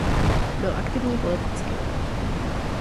Byl aktivní politicky.